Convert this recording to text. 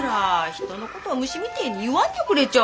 人の事を虫みてえに言わんでくれちゃ。